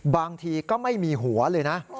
บางทีก็ไม่มีหัวเลยนะ